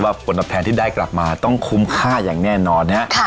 เพราะว่าบทแผนที่ได้กลับมาต้องคุ้มค่าอย่างแน่นอนนะฮะค่ะ